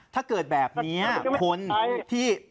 ถ้าเกิดแบบนี้คนที่